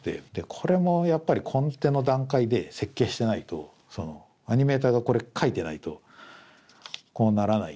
これもやっぱりコンテの段階で設計してないとアニメーターがこれ描いてないとこうならない。